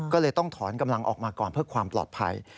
ก็เลยต้องถอนกำลังออกมาก่อนเพื่อความปลอดภัย